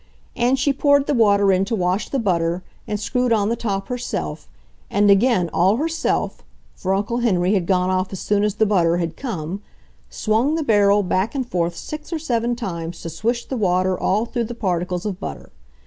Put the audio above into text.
And she poured the water in to wash the butter, and screwed on the top herself, and, again all herself (for Uncle Henry had gone off as soon as the butter had "come"), swung the barrel back and forth six or seven times to swish the water all through the particles of butter.